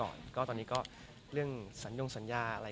ก็มีไปคุยกับคนที่เป็นคนแต่งเพลงแนวนี้